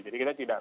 jadi kita tidak